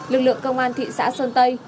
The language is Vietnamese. lực lượng công an thị xã sơn tây